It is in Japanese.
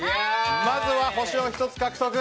まずは星を１つ獲得！